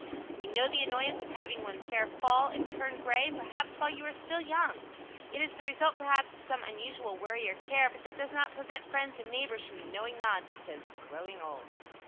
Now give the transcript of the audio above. We know the annoyance of having one's hair fall and turn gray, perhaps while you are still young. It is the result perhaps of some unusual worry or care, but that does not prevent friends and neighbors from the knowing nod that says, "Growing old."